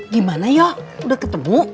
gimana yoh udah ketemu